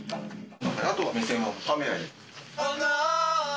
あとは目線はカメラに！